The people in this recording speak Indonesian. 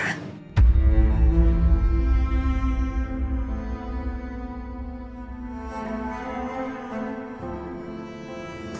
untuk menjalin hubungan saya belum bisa